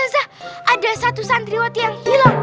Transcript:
afon ustazah ada satu sandriwat yang hilang